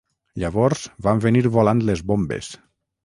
Llavors van venir volant les bombes.